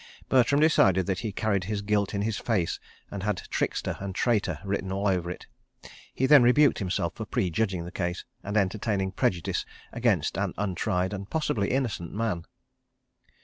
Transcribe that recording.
Bertram decided that he carried his guilt in his face and had trickster and traitor written all over it. He then rebuked himself for pre judging the case and entertaining prejudice against an untried, and possibly innocent, man.